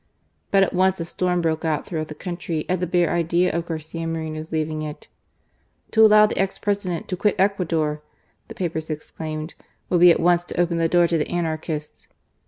But at once a storm broke out throughout the country at the bare idea of Garcia Moreno's leaving it. " To allow the ex President to quit Ecuador,'* the papers exclaimed, ^' would be at once to open the door to the anarchists.